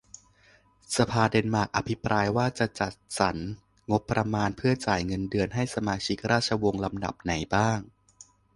สภาเดนมาร์กอภิปรายว่า จะจัดจัดสรรงบประมาณเพื่อจ่ายเงินเดือนให้สมาชิกราชวงศ์ลำดับไหนบ้าง